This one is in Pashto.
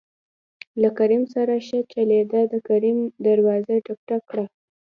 له کريم سره ښه چلېده د کريم دروازه ټک، ټک کړه.